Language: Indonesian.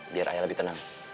biar ayah lebih tenang